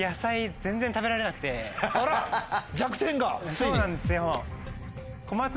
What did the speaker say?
そうなんですよ。